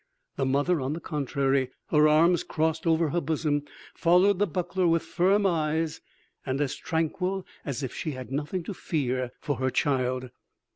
The mother, on the contrary, her arms crossed over her bosom, followed the buckler with firm eyes, and as tranquil as if she had nothing to fear for her child."